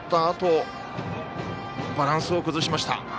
あとバランスを崩しました。